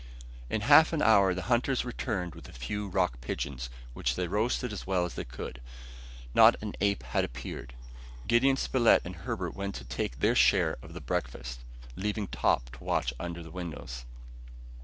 In half an hour the hunters returned with a few rock pigeons, which they roasted as well as they could. Not an ape had appeared. Gideon Spilett and Herbert went to take their share of the breakfast, leaving Top to watch under the windows.